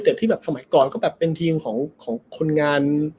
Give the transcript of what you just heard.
แต่ที่สมัยก่อนก็เป็นทีมของคนงาน